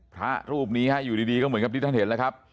พระรูปนี้อยู่ดีก็เหมือนกับที่ท่านเห็นแล้วครับ